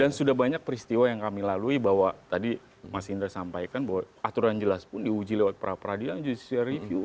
dan sudah banyak peristiwa yang kami lalui bahwa tadi mas indra sampaikan bahwa aturan jelas pun diuji lewat para peradilan judisi review